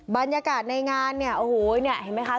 บรรยากาศในงานเนี่ยโอ้โหเนี่ยเห็นไหมคะ